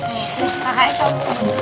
nih sini kak haikal